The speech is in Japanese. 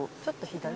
ちょっと左？